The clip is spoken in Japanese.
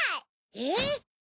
えっ！